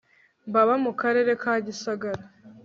Mamba mu Karere ka Gisagara